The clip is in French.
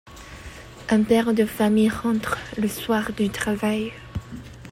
Un père de famille rentre le soir du travail.